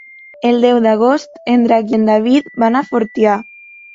El deu d'agost en Drac i en David van a Fortià.